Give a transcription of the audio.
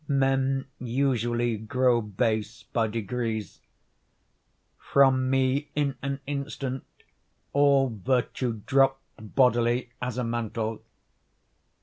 Men usually grow base by degrees. From me, in an instant, all virtue dropped bodily as a mantle.